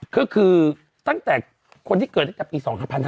ก็คือตั้งแต่คนที่เกิดตั้งแต่ปี๒๕๕๙